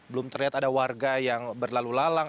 belum terlihat ada warga yang berlalu lalang